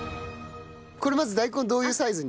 これまず大根どういうサイズに？